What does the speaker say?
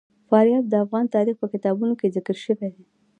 فاریاب د افغان تاریخ په کتابونو کې ذکر شوی دي.